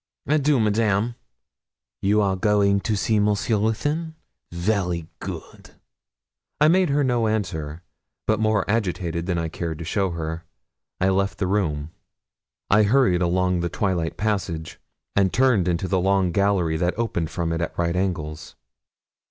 'Adieu, Madame!' 'You are going to Monsieur Ruthyn? very good!' I made her no answer, but more agitated than I cared to show her, I left the room. I hurried along the twilight passage, and turned into the long gallery that opened from it at right angles.